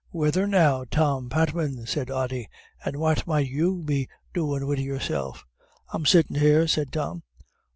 "Whethen now, Tom Patman," said Ody, "and what might you be doin' wid yourself?" "I'm sittin' here," said Tom.